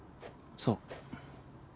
そう。